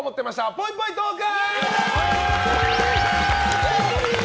ぽいぽいトーク！